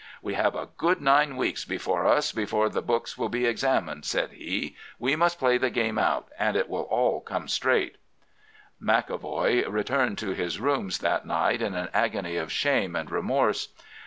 "'We have a good nine weeks before us before the books will be examined,' said he. 'We must play the game out, and it will all come straight.' "McEvoy returned to his rooms that night in an agony of shame and remorse.